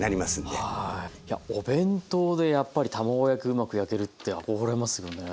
お弁当でやっぱり卵焼きうまく焼けるって憧れますよね。